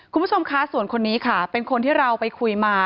คุณผู้ชมคะส่วนคนนี้ค่ะเป็นคนที่เราไปคุยมา